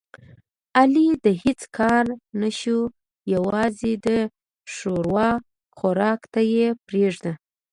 علي د هېڅ کار نشو یووازې د ښوروا خوراک ته یې پرېږده.